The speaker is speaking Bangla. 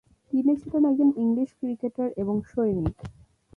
তিনি ছিলেন একজন ইংলিশ ক্রিকেটার এবং সৈনিক।